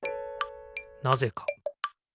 なぜか。